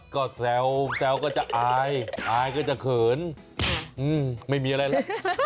ก็แซวก็จะอายอายก็จะเขินไม่มีอะไรแล้ว